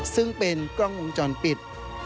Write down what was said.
ซึ่งเป็นกล้องวงจรปิด